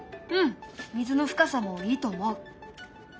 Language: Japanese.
うん水の深さもいいと思う。